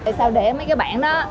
tại sao để mấy cái bản đó